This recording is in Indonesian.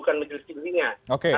bukan majelis tingginya